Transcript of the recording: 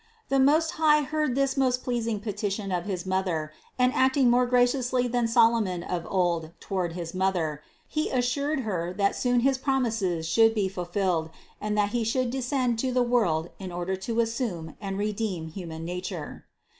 The Most High heard this most pleasing petition of his Mother, and acting more graciously than Solomon of old toward his mother, He assured Her that soon his promises should be ful filled, and that He should descend to the world in order to assume and redeem human nature.